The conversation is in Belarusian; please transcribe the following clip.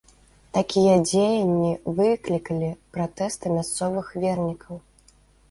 Такія дзеянні выклікалі пратэсты мясцовых вернікаў.